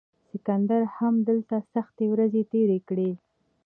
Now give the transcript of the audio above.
سکندر هم دلته سختې ورځې تیرې کړې